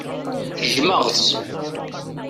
Jjmeɣ-tt.